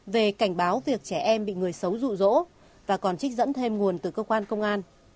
về cảnh báo việc trẻ em bị người xấu rụ rỗ và còn trích dẫn thêm nguồn từ cơ quan công an